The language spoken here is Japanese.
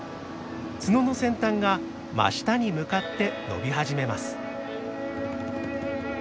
角の先端が真下に向かって伸び始めます。